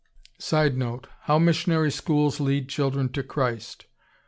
[Sidenote: How missionary schools lead children to Christ.